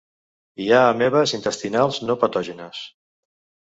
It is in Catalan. Hi ha amebes intestinals no patògenes.